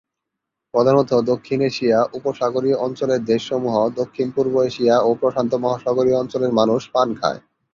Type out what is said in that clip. প্রধানত দক্ষিণ এশিয়া, উপসাগরীয় অঞ্চলের দেশসমূহ, দক্ষিণ-পূর্ব এশিয়া ও প্রশান্ত মহাসাগরীয় অঞ্চলের মানুষ পান খায়।